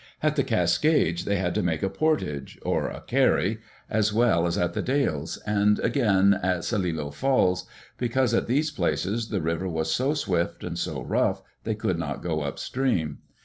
At the Cascades they had to make a portage — or a "carry" — as well as at The Dalles, and again at Celilo Falls, because at these places the river was so swift and so rough they could not go upstream.